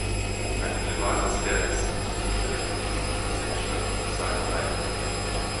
Ein privates Lehrinstitut für Kirchen- und Schulmusik stand unter seiner Leitung.